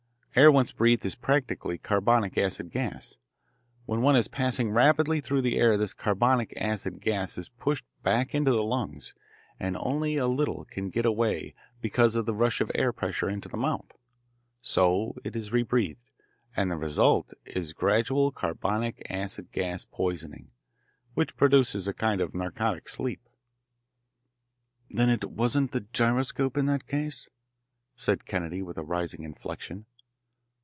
Air once breathed is practically carbonic acid gas. When one is passing rapidly through the air this carbonic acid gas is pushed back into the lungs, and only a little can get away because of the rush of air pressure into the mouth. So it is rebreathed, and the result is gradual carbonic acid gas poisoning, which produces a kind of narcotic sleep.'" "Then it wasn't the gyroscope in that case?" said Kennedy with a rising inflection.